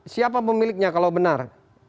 siapa pemiliknya kalau benar